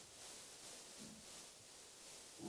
Ναι, θα τους σώσω, έστω και αν αυτοί δεν το θέλουν.